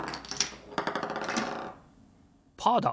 パーだ！